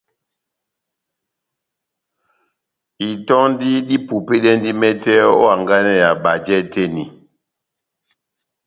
Itɔndi dipupedɛndi mɛtɛ ó hanganɛ ya bajɛ tɛ́h eni.